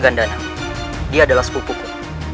gandana dia adalah sepupuku